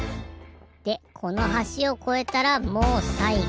でこのはしをこえたらもうさいご。